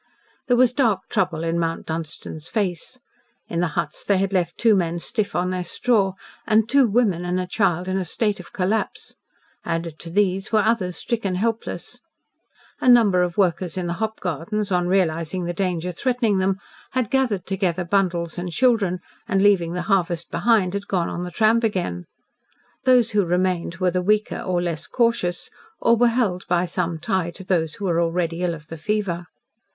There was dark trouble in Mount Dunstan's face. In the huts they had left two men stiff on their straw, and two women and a child in a state of collapse. Added to these were others stricken helpless. A number of workers in the hop gardens, on realising the danger threatening them, had gathered together bundles and children, and, leaving the harvest behind, had gone on the tramp again. Those who remained were the weaker or less cautious, or were held by some tie to those who were already ill of the fever.